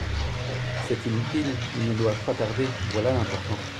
C’est inutile ; ils ne doivent pas tarder ; voilà l’important…